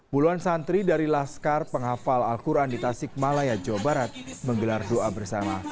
puluhan santri dari laskar penghafal al quran di tasik malaya jawa barat menggelar doa bersama